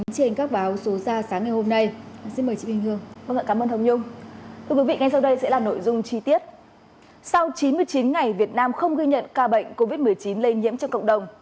sau chín mươi chín ngày việt nam không ghi nhận ca bệnh covid một mươi chín lây nhiễm cho cộng đồng